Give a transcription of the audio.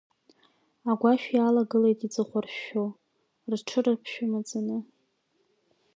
Агәашә иаалагылеит иҵыхәаршәшәо, рҽыраԥшәымаӡаны.